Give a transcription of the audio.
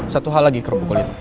satu hal lagi kerupuk lo itu